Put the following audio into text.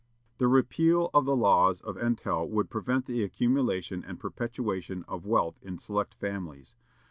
"The repeal of the laws of entail would prevent the accumulation and perpetuation of wealth in select families....